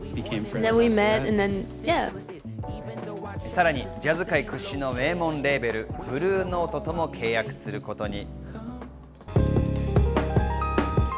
さらにジャズ界屈指の名門レーベル、ブルーノートとも契約することに。